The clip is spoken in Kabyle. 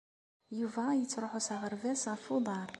Yuba yettruḥu s aɣerbaz ɣef uḍar.